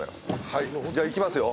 はいじゃあいきますよ。